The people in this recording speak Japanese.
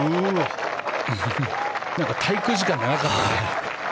滞空時間が長かったね。